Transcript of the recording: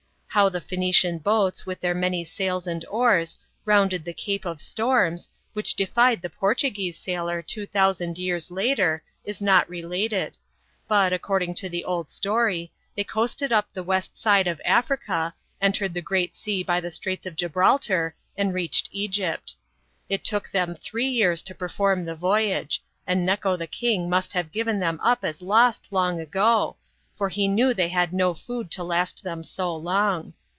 How the Phoenician boats, with their many sails and oars, rounded the Cape of Storms, which defied the Portuguese sailor two thousand years later, is not related ; but, according to the old story, they coasted up the west side of Africa, entered the Great Sea by the Straits of Gibraltar, and reached Egypt. It took them three years to perform the voyage, and Neco the king must have* given them up as lost long ago, .for he knew they had no food to last them so long.